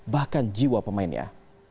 bahkan jiwa pemainnya